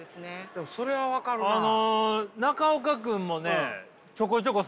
でもそれは分かるなあ。